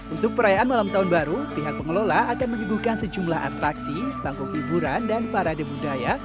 untuk perayaan malam tahun baru pihak pengelola akan menyuguhkan sejumlah atraksi bangkuk hiburan dan parade budaya